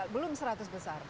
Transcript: belum seratus besar